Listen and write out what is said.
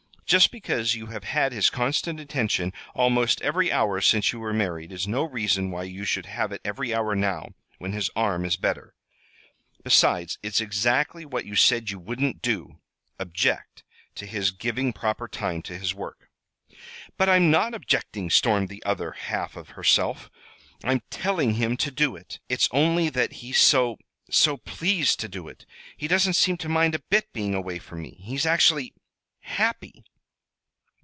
"Just because you have had his constant attention almost every hour since you were married is no reason why you should have it every hour now, when his arm is better! Besides, it's exactly what you said you wouldn't do object to his giving proper time to his work." "But I'm not objecting," stormed the other half of herself. "I'm telling him to do it. It's only that he's so so pleased to do it. He doesn't seem to mind a bit being away from me. He's actually happy!"